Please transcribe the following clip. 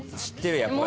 やっぱり。